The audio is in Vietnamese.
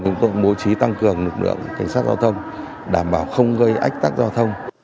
chúng tôi cũng bố trí tăng cường lực lượng cảnh sát giao thông đảm bảo không gây ách tắc giao thông